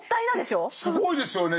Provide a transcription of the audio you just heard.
すごいですよね。